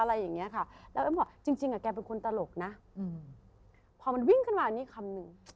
เอายังไงบอกว่าจริงเป็นคนตลกนะพอมันวิ่งขึ้นมานี่คำหนึ่ง